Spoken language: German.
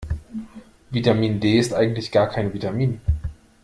Vitamin D ist eigentlich gar kein Vitamin.